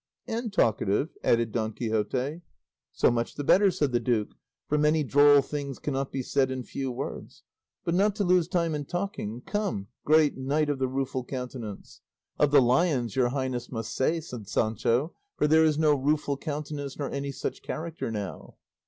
"And talkative," added Don Quixote. "So much the better," said the duke, "for many droll things cannot be said in few words; but not to lose time in talking, come, great Knight of the Rueful Countenance " "Of the Lions, your highness must say," said Sancho, "for there is no Rueful Countenance nor any such character now."